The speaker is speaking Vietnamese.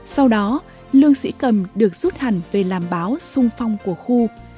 sau đó lương sĩ cầm được rút hẳn về làm báo sung phong của khu